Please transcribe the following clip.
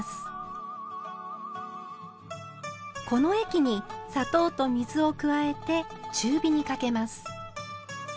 この液に砂糖と水を加えて中火にかけます。